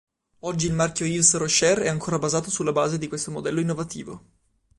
Oggi il marchio Yves Rocher è ancora basato sulla base di questo modello innovativo.